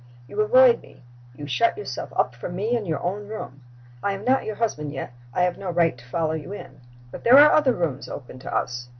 You avoid me; you shut yourself up from me in your own room. I am not your husband yet I have no right to follow you in. But there are other rooms open to us.